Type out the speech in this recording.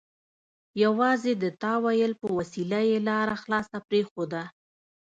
یوازې د تأویل په وسیله یې لاره خلاصه پرېښوده.